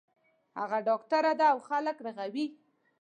هغه ډاکټر ده او خلک رغوی